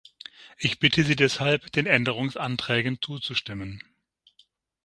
Ich bitte Sie deshalb, den Änderungsanträgen zuzustimmen.